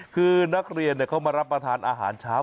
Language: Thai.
คือนักเรียนเขามารับประทานอาหารเช้า